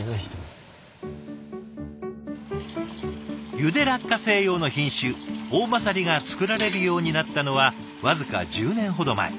ゆで落花生用の品種おおまさりが作られるようになったのは僅か１０年ほど前。